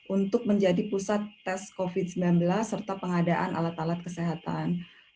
untuk menjadi pusat tes covid sembilan belas serta pengadaan alat alat kesehatan